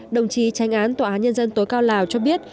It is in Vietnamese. đồng chí tranh án tòa án nhân dân tối cao lào cho biết